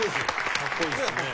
かっこいいですね。